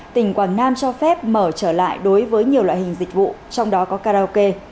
tỉnh quảng nam cho phép mở trở lại đối với nhiều loại hình dịch vụ trong đó có karaoke